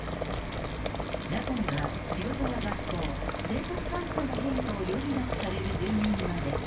中には、仕事や学校、生活環境の変化を余儀なくされる住民まで。